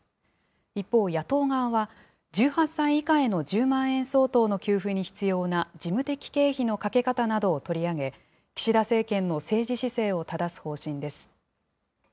一方、野党側は、１８歳以下への１０万円相当の給付に必要な事務的経費のかけ方などを取り上げ、岸田政権の政治姿勢をただす方針です。